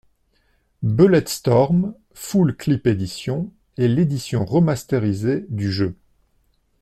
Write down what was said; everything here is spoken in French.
Bulletstorm: Full Clip Edition est l'édition remastérisée du jeu.